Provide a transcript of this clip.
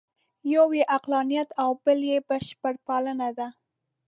یو یې عقلانیت او بل یې بشرپالنه ده.